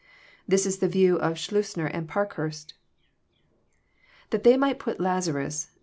This is the view of Schleusner and Paridiurst. \_Th(a they might put Lazarus.